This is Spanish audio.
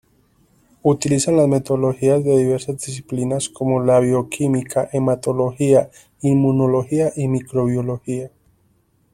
Utilizan las metodologías de diversas disciplinas como la bioquímica, hematología, inmunología y microbiología.